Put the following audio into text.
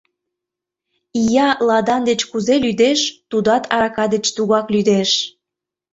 Ия ладан деч кузе лӱдеш, тудат арака деч тугак лӱдеш.